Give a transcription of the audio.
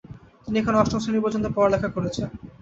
তিনি এখানে অষ্টম শ্রেণি পর্যন্ত লেখাপড়া করেছেন।